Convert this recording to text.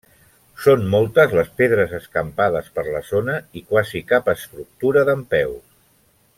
Són moltes les pedres escampades per la zona i quasi cap estructura dempeus.